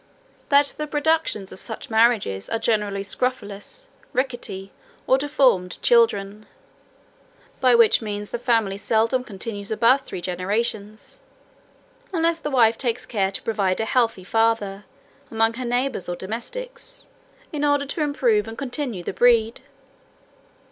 That the productions of such marriages are generally scrofulous, rickety, or deformed children; by which means the family seldom continues above three generations, unless the wife takes care to provide a healthy father, among her neighbours or domestics, in order to improve and continue the breed.